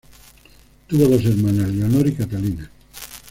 Tuvo dos hermanas: Leonor y Catalina.